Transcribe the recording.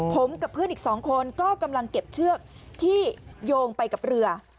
ผมกับเพื่อนอีก๒คนก็กำลังเก็บเชือกที่โยงไปกับเรือ